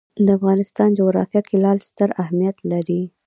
د افغانستان جغرافیه کې لعل ستر اهمیت لري.